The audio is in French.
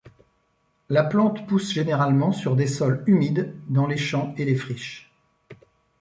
La plante pousse généralement sur des sols humides, dans les champs et les friches.